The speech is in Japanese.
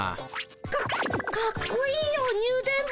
かかっこいいよニュ電ボ。